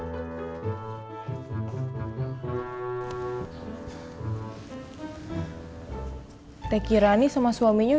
saya cuma cukup utuh